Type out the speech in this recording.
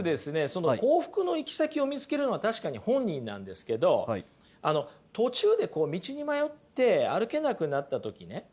その幸福の行き先を見つけるのは確かに本人なんですけどあの途中でこう道に迷って歩けなくなった時ね